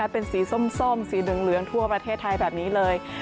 เป็นสีส้มสีเหลืองทั่วประเทศไทยแบบนี้เลย